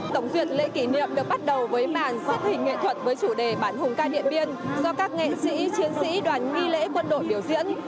tổng duyệt lễ kỷ niệm được bắt đầu với màn xếp hình nghệ thuật với chủ đề bản hùng ca điện biên do các nghệ sĩ chiến sĩ đoàn nghi lễ quân đội biểu diễn